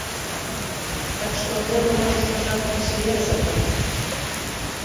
Так што трэба, можа, спачатку ў сябе разабрацца?